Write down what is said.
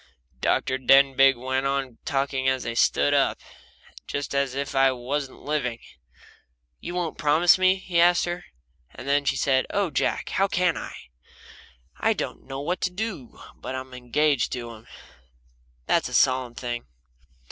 Dr. Denbigh went on talking as they stood up, just as if I wasn't living. "You won't promise me?" he asked her. And she said: "Oh, Jack, how can I? I don't know what to do but I'm engaged to him that's a solemn thing."